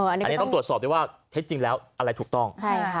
อันนี้ต้องตรวจสอบด้วยว่าเท็จจริงแล้วอะไรถูกต้อง